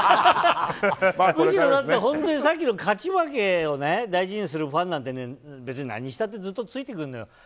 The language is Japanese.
むしろ、本当にさっきの勝ち負けを大事にするファンって別に何したってずっとついてくるのよ。